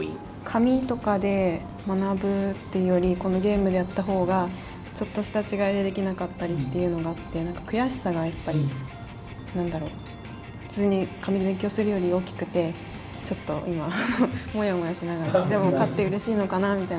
紙とかで学ぶっていうよりこのゲームでやった方がちょっとした違いでできなかったりっていうのがあって何か悔しさがやっぱり何だろ普通に紙で勉強するより大きくてちょっと今もやもやしながらでも勝ってうれしいのかなみたいな気分で。